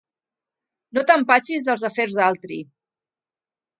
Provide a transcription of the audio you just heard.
No t'empatxis dels afers d'altri!